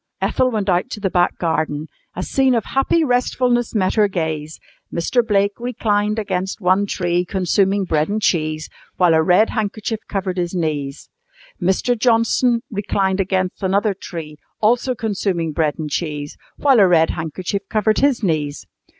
Ethel went out to the back garden. A scene of happy restfulness met her gaze. Mr. Blake reclined against one tree consuming bread and cheese, while a red handkerchief covered his knees. Mr. Johnson reclined against another tree, also consuming bread and cheese, while a red handkerchief covered his knees.